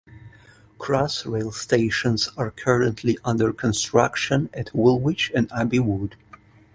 Crossrail stations are currently under construction at Woolwich and Abbey Wood.